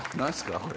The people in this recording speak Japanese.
これ。